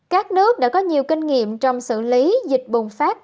các nước đã có nhiều kinh nghiệm trong xử lý dịch bùng phát